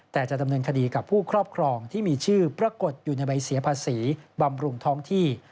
แต่จะดำเนินคดีกับผู้ครอบครองที่มีชื่อปรากฏอยู่ในใบเสียภาษีบำรุงท้องที่